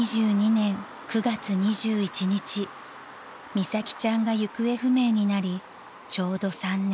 ［美咲ちゃんが行方不明になりちょうど３年］